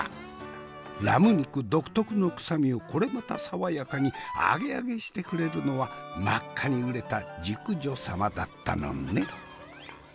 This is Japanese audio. ラム肉独特の臭みをこれまた爽やかにアゲアゲしてくれるのは真っ赤に熟れた熟女様だったのね。